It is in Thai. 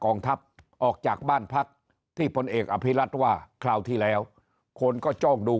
ทัพออกจากบ้านพักที่พลเอกอภิรัตว่าคราวที่แล้วคนก็จ้องดู